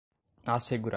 assegurar